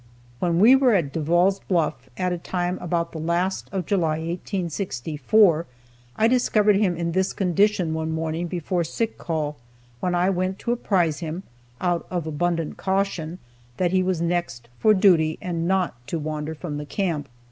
When we were at Devall's Bluff, at a time about the last of July, 1864, I discovered him in this condition one morning before sick call, when I went to apprise him (out of abundant caution) that he was next for duty, and not to wander from the camp.